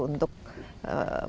untuk menjaga kepentingan dunia